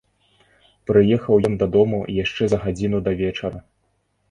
Прыехаў ён дадому яшчэ за гадзіну да вечара.